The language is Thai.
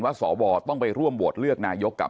ว่าศยต้องไปร่วมบวชเลือกนายกกับ